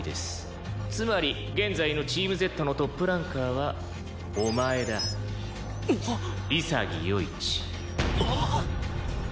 「つまり現在のチームＺのトップランカーはお前だ潔世一」